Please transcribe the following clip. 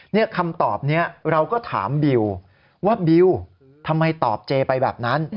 นี่คำตอบนี้เราก็ถามบิวว่าบิวทำไมตอบเจไปแบบนั้น